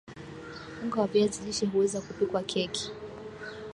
unga wa viazi lishe huweza kupikwa keki